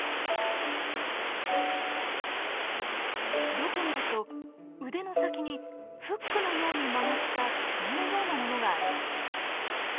よく見ると腕の先にフックのように曲がった爪のようなものがあります。